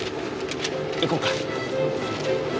行こうか。